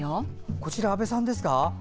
こちら、阿部さんですか？